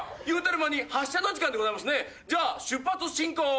言うてる間に発車の時間でございますねじゃあ出発進行！